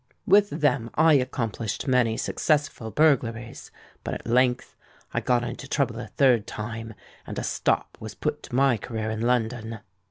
With them I accomplished many successful burglaries; but at length I got into trouble a third time, and a stop was put to my career in London.